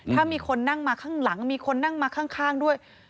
ถ้ามีคนนั่งมาข้างหลังมีคนนั่งมาข้างด้วย